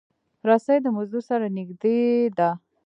رسۍ د مزدور سره نږدې ده.